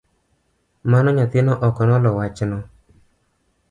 Mano nyathino ok nolo wachno